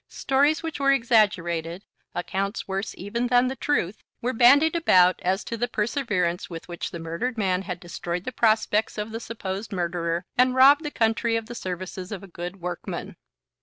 Stories which were exaggerated, accounts worse even than the truth, were bandied about as to the perseverance with which the murdered man had destroyed the prospects of the supposed murderer, and robbed the country of the services of a good workman.